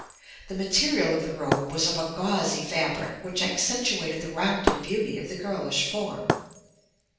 The material of the robe was of a gauzy fabric which accentuated the rounded beauty of the girlish form.